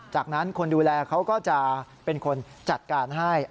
จากนั้นคนดูแลเขาก็จะเป็นคนจัดการให้